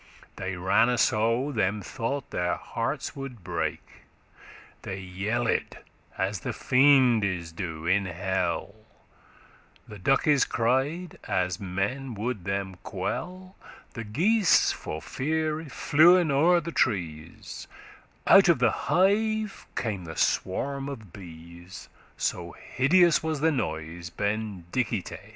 They ranne so, them thought their hearts would break. They yelled as the fiendes do in hell; The duckes cried as men would them quell;* *kill, destroy The geese for feare flewen o'er the trees, Out of the hive came the swarm of bees, So hideous was the noise, ben'dicite!